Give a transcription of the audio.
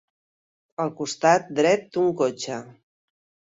El costat dret d'un cotxe.